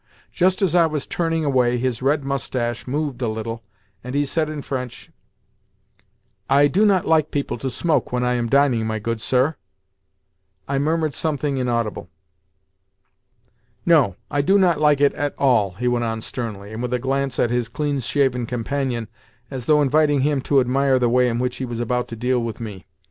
Just as I was turning away his red moustache moved a little, and he said in French: "I do not like people to smoke when I am dining, my good sir." I murmured something inaudible. "No, I do not like it at all," he went on sternly, and with a glance at his clean shaven companion, as though inviting him to admire the way in which he was about to deal with me.